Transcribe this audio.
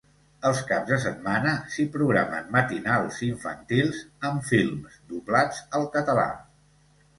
Els caps de setmana s’hi programen matinals infantils, amb films doblats al català.